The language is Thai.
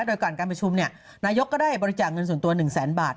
โดยก่อนการประชุมนายกก็ได้บริจาคเงินส่วนตัว๑แสนบาท